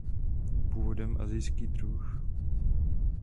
Původem asijský druh.